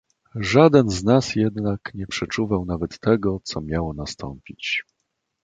"Żaden z nas jednak nie przeczuwał nawet tego, co miało nastąpić."